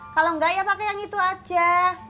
kalo enggak ya pake yang itu aja